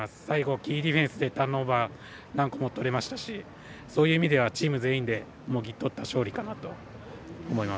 キーディフェンスでターンオーバーとれましたしそういう意味ではチーム全員でもぎ取った勝利かなと思います。